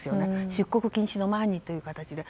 出国禁止の前にという形で。